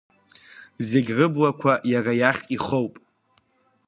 Зегь рыблақәа иара иахь ихоуп.